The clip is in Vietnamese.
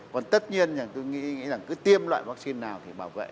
còn tất nhiên là tôi nghĩ là cứ tiêm loại vaccine nào thì bảo vệ